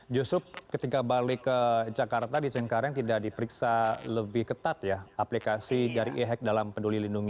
justru ketika balik ke jakarta di cengkareng tidak diperiksa lebih ketat ya aplikasi dari e hack dalam peduli lindungi